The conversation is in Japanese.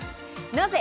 なぜ？